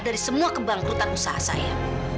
dari semua kebangkrutan usaha saya